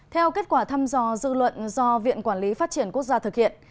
theo kết quả thăm dò dư luận do viện quản lý phát triển quốc gia thực hiện